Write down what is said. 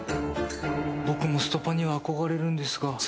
僕もストパーには憧れるんですが。